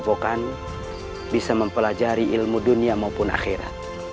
di padepokan bisa mempelajari ilmu dunia maupun akhirat